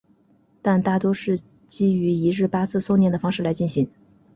但大多是基于一日八次诵念的方式来进行。